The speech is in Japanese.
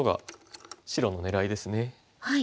白の狙いですね。